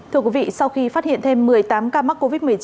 thưa quý vị sau khi phát hiện thêm một mươi tám ca mắc covid một mươi chín